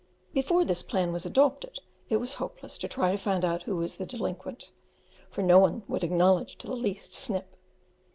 Before this plan was adopted it was hopeless to try to find out who was the delinquent, for no one would acknowledge to the least snip.